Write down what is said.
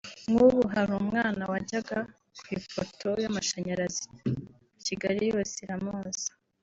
nk’ubu hari umwana wajyaga ku ipoto y’amashanyarazi Kigali yose iramuzi